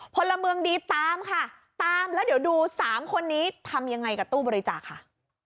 พลเมืองดีตามค่ะตามแล้วเดี๋ยวดูสามคนนี้ทำยังไงกับตู้บริจาคค่ะ